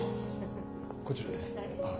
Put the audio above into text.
こちらです。